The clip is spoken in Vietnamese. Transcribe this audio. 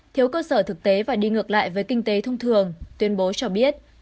thiếu cơ sở thực tế và đi ngược lại với kinh tế thông thường tuyên bố cho biết